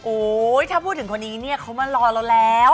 ถ้าพูดถึงคนนี้เนี่ยเขามารอเราแล้ว